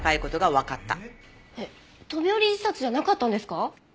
えっ飛び降り自殺じゃなかったんですか？